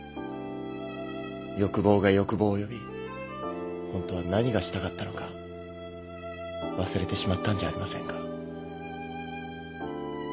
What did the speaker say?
欲望が欲望を呼びホントは何がしたかったのか忘れてしまったんじゃありませんか？